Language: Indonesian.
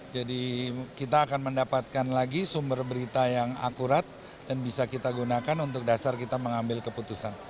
jadi kita akan mendapatkan lagi sumber berita yang akurat dan bisa kita gunakan untuk dasar kita mengambil keputusan